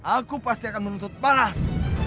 aku pasti akan menuntut panas